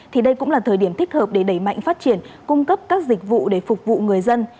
thì đây cũng là thời điểm thích hợp để đẩy mạnh phát triển cung cấp các dịch vụ để phục vụ người dân